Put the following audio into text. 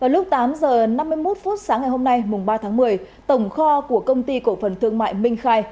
lúc tám h năm mươi một phút sáng ngày hôm nay mùng ba tháng một mươi tổng kho của công ty cổ phần thương mại minh khai